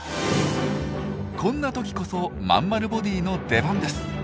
こんな時こそまんまるボディーの出番です。